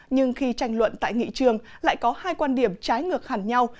nhưng khi tranh luận tại nghị trường lại có hai quan điểm trái ngược hẳn nhau